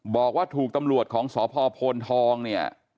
บอกว่าถูกตำรวจของสพโพนทองเนี่ย